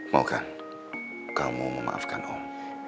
mau kan kamu memaafkan om